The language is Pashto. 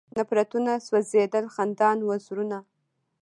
نفرتونه سوځېدل، خندان و زړونه